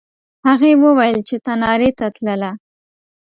هغې وویل چې تنارې ته تلله.